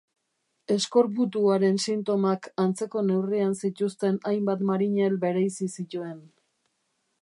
Eskorbutuaren sintomak antzeko neurrian zituzten hainbat marinel bereizi zituen.